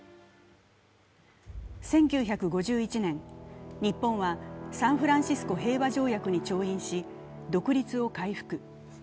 １９５１年、日本はサンフランシスコ平和条約に調印し、独立を回復。